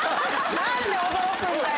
何で驚くんだよ